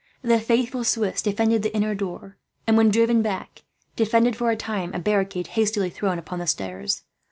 The faithful Swiss defended the inner door and, when driven back, defended for a time a barricade hastily thrown up on the stairs.